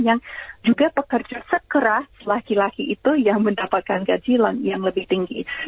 yang juga pekerja sekeras laki laki itu yang mendapatkan gajian yang lebih tinggi